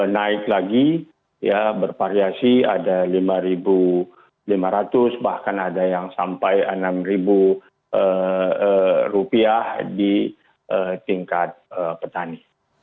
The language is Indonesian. naik lagi ya bervariasi ada lima lima ratus bahkan ada yang sampai rp enam di tingkat petani